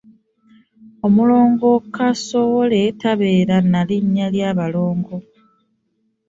Omulongo kasowole tabeera na linnya lya Balongo.